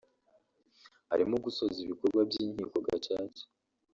harimo gusoza ibikorwa by’Inkiko Gacaca